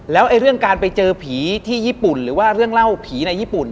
แล้วเรื่องการไปเจอผีที่ญี่ปุ่นหรือว่าเรื่องเล่าผีในญี่ปุ่น